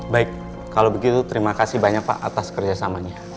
baik kalau begitu terima kasih banyak pak atas kerjasamanya